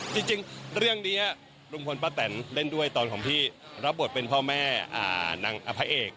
จริงเรื่องนี้ลุงพลป้าแตนเล่นด้วยตอนของพี่รับบทเป็นพ่อแม่นางอพระเอก